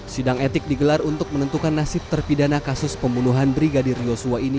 sidang etik digelar untuk menentukan nasib terpidana kasus pembunuhan brigadir yosua ini